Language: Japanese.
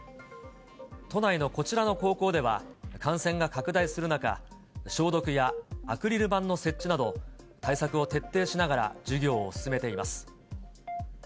都内のこちらの高校では、感染が拡大する中、消毒やアクリル板の設置など、対策を徹底しながら授業を進めています。